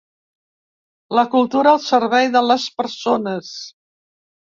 La cultura al servei de les persones.